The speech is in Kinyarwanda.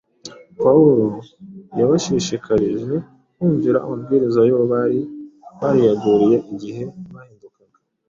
Pawulo yabashishikarije kumvira amabwiriza y’uwo bari bariyeguriye igihe bahindukaga.